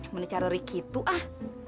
mencarori gitu ah